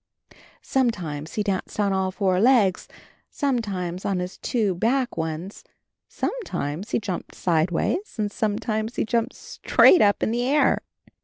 Sometimes he danced on all four legs, sometimes on his two back ones, sometimes he jumped sideways, and sometimes he jumped straight up in the air.